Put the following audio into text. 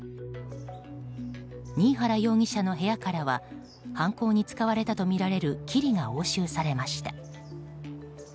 新原容疑者の部屋からは犯行に使われたとみられるキリが押収されました。